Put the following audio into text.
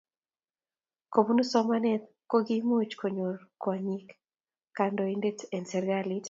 kopunu somanet kokiimuch konyoru kwonyik kantoinatee en serkalii